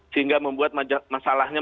sehingga membuat masalahnya